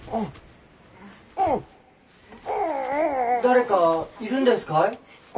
・誰かいるんですかい？